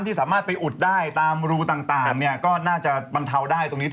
ถ้าเกิดว่าเจอต้นเหตุ